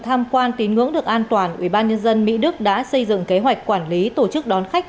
tham quan tín ngưỡng được an toàn ủy ban nhân dân mỹ đức đã xây dựng kế hoạch quản lý tổ chức đón khách